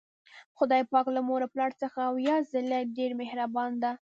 خدای پاک له مور او پلار څخه اویا ځلې ډیر مهربان ده